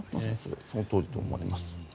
そのとおりだと思われます。